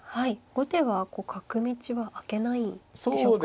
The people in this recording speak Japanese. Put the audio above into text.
後手は角道は開けないんでしょうか。